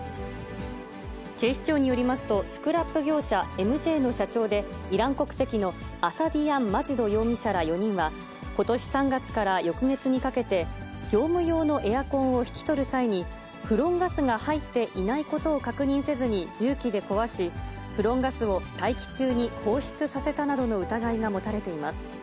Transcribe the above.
警視庁によりますと、スクラップ業者、ＭＪの社長で、イラン国籍のアサディアン・マジド容疑者ら４人は、ことし３月から翌月にかけて、業務用のエアコンを引き取る際に、フロンガスが入っていないことを確認せずに重機で壊し、フロンガスを大気中に放出させたなどの疑いが持たれています。